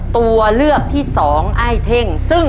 ตัวเลือกที่สองอ้ายเท่ง